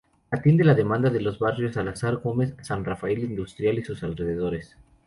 Atiende la demanda de los barrios Salazar Gómez, San Rafael Industrial y sus alrededores.